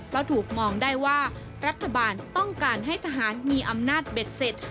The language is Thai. เพราะถูกมองได้ว่ารัฐบาลต้องการให้ทหารมีอำนาจเบ็ดเสร็จ